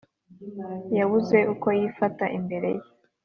yabuze uko yifata imbere ye.